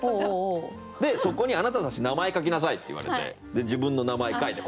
で「そこにあなたたち名前書きなさい」って言われて自分の名前書いて。